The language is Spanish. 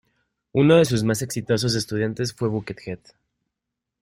Uno de sus más exitosos estudiantes fue Buckethead.